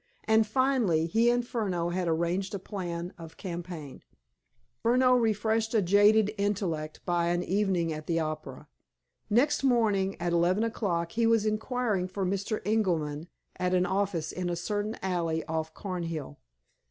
And, finally, he and Furneaux had arranged a plan of campaign. Furneaux refreshed a jaded intellect by an evening at the opera. Next morning, at eleven o'clock, he was inquiring for Mr. Ingerman at an office in a certain alley off Cornhill.